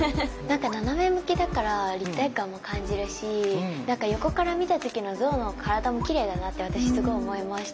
何か斜め向きだから立体感も感じるし横から見た時の像の体もきれいだなって私すごい思いました